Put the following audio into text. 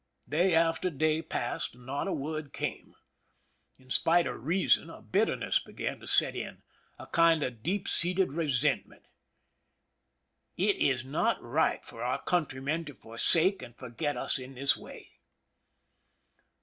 Day after day still passed, and not a word came. In spite of reason, a bitterness began to set in— a kind of deep seated resentment :" It is not right for our countrymen to forsake and forget us in this way."